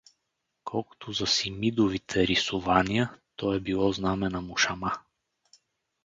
Колкото за „Симидовите рисования“, то е било знаме на мушама.